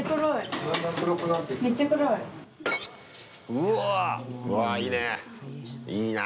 うわ、いいね。